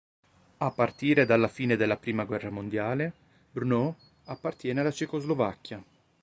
A partire dalla fine della prima guerra mondiale, Brno appartiene alla Cecoslovacchia.